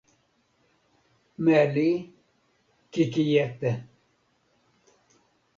meli Kikijete